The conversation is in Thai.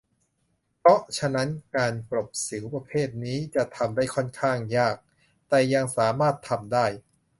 เพราะฉะนั้นการกลบสิวประเภทนี้จะทำได้ค่อนข้างยาก แต่ยังสามารถทำได้